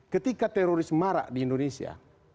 ketika teroris marak di indonesia